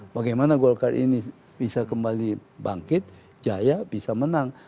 bagaimana golkar ini bisa kembali bangkit jaya bisa menang